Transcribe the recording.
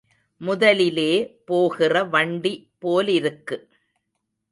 முதல்லே போகிற வண்டி போலிருக்கு.